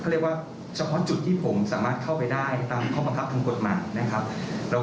เพื่อเป็นประโยชน์กับตัวคนในหัวนั่นหมายถึงว่าเป็นประโยชน์กับคนในครอบครัว